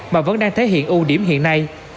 mà vẫn đang thể hiện ưu điểm hiện nay